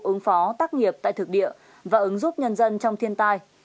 ứng phó tác nghiệp tại thực địa và ứng giúp nhân dân trong thiên tai